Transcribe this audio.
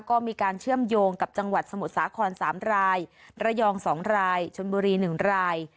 ก็มีการเชื่อมโยงกับจังหวัดสมุทรสาคร๓รายระยอง๒รายชนบุรี๑ราย